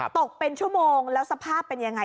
ตกเป็นชั่วโมงแล้วสภาพเป็นยังไง